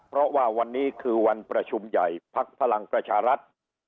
เพราะว่าวันนี้คือวันประชุมใหญ่พักพลังประชารัฐ